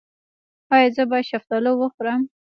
ایا زه باید شفتالو وخورم؟